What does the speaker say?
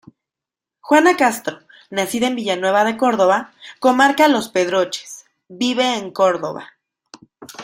Juana Castro, nacida en Villanueva de Córdoba, comarca Los Pedroches, vive en Córdoba.